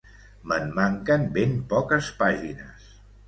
-Me'n manquen ben poques pàgines.